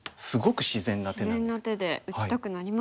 自然な手で打ちたくなりますよね。